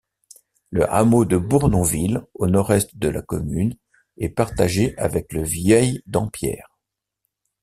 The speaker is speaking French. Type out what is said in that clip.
Le hameau de Bournonville, au nord-est de la commune, est partagée avec Le Vieil-Dampierre.